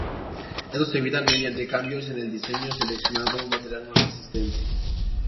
Estos se evitan mediante cambios en el diseño, o seleccionando un material más resistente.